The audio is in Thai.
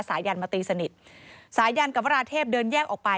สายันมาตีสนิทสายันกับวราเทพเดินแยกออกไป